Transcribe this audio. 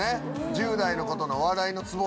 １０代の子の笑いのツボ。